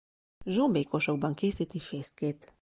Zsombékosokban készíti fészkét.